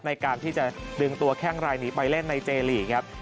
ในการที่จะดึงตัวแข้งรายนี้ไปเล่นในเจลีกครับ